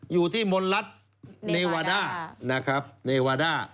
อยู่ที่มนรัฐเนวาด้านะครับเนวาด้า